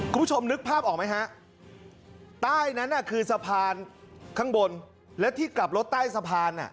คุณผู้ชมนึกภาพออกไหมฮะใต้นั้นน่ะคือสะพานข้างบนและที่กลับรถใต้สะพาน